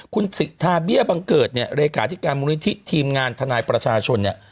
คุณสิทธาเบี้ยบังเกิดเนี่ยเลขาธิการมูลนิธิทีมงานทนายประชาชนเนี่ย